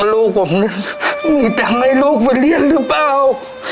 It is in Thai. ลูกผมมีเงินให้ลูกไปเรียนหรือเปล่า